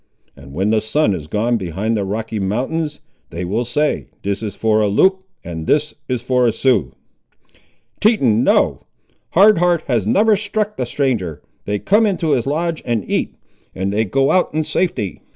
and when the sun is gone behind the Rocky Mountains, they will say, This is for a Loup and this for a Sioux." "Teton—no! Hard Heart has never struck the stranger. They come into his lodge and eat, and they go out in safety.